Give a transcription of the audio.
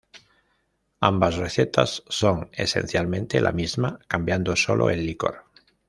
Ambas recetas son esencialmente la misma, cambiando solo el licor.